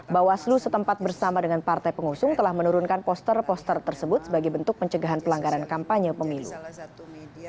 bawaslu setempat bersama dengan partai pengusung telah menurunkan poster poster tersebut sebagai bentuk pencegahan pelanggaran kampanye pemilu